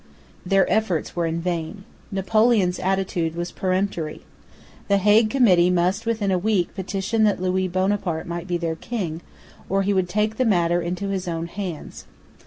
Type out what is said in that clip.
Their efforts were in vain; Napoleon's attitude was peremptory. The Hague Committee must within a week petition that Louis Bonaparte might be their king, or he would take the matter into his own hands.